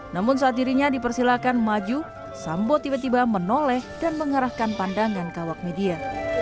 namun saat dirinya dipersilakan maju sambo tiba tiba menoleh dan mengarahkan pandangan kawak media